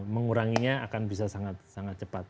menguranginya akan bisa sangat cepat